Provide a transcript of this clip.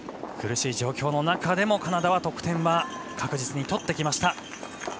苦しい状況の中でもカナダは、得点は確実に取ってきました。